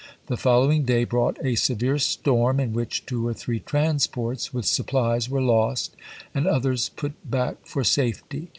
The following day brought a severe storm, in which two or three transports with supplies were lost, and others put back for safety.